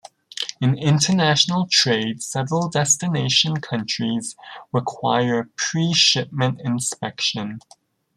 In international trade several destination countries require pre-shipment inspection.